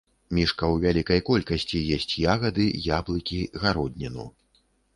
Мішка ў вялікай колькасці есць ягады, яблыкі, гародніну.